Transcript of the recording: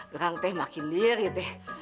kurang teh makin lirik teh